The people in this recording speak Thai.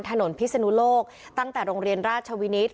พิศนุโลกตั้งแต่โรงเรียนราชวินิต